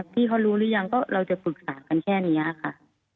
พี่เขารู้หรือยังก็เราจะปรึกษากันแค่นี้ค่ะ